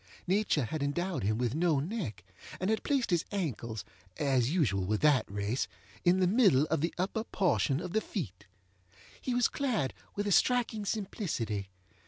Nature had endowed him with no neck, and had placed his ankles (as usual with that race) in the middle of the upper portion of the feet. He was clad with a striking simplicity.